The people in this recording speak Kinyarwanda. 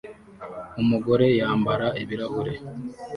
umugore yambara ibirahure